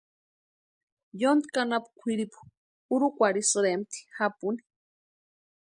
Yontki anapu kwʼiripu urhukwarhisïrempti japuni.